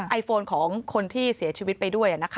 ไอโฟนของคนที่เสียชีวิตไปด้วย